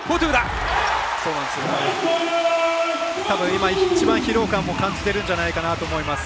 今、一番疲労感も感じているんじゃないかなと思います。